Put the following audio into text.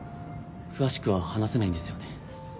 詳しくは話せないんですよね？